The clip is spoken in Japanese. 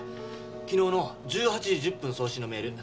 昨日の１８時１０分送信のメール。